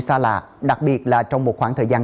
xa lạ đặc biệt là trong một khoảng thời gian